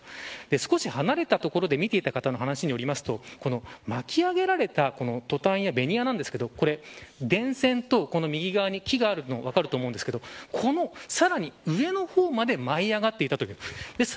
少し離れた所で見ていた方の話によると巻き上げられたトタンやベニヤなんですが右側に木があるのが分かると思いますがこのさらに上の方まで舞い上がっていたということです。